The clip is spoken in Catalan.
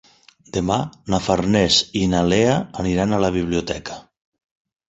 Demà na Farners i na Lea aniran a la biblioteca.